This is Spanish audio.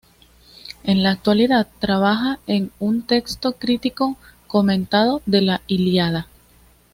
En la actualidad trabaja en un texto crítico comentado de la "Ilíada".